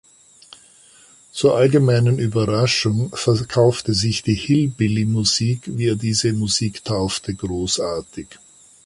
Zur allgemeinen Überraschung verkaufte sich die Hillbilly-Musik, wie er diese Musik taufte, großartig.